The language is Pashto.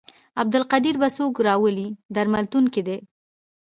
عبدالقدیر به څوک راولي درملتون کې دی.